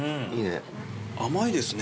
甘いですね。